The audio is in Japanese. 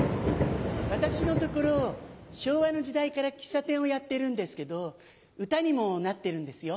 私のところ昭和の時代から喫茶店をやってるんですけど歌にもなってるんですよ。